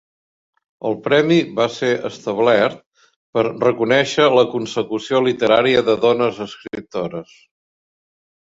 El premi va ser establert per reconèixer la consecució literària de dones escriptores.